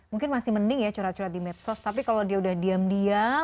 mungkin masih mending ya curhat curhat di medsos tapi kalau dia udah diam diam